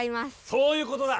そういうことだ！